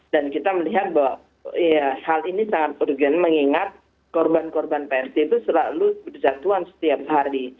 dan kita melihat bahwa hal ini sangat urgent mengingat korban korban prt itu selalu berjatuhan setiap hari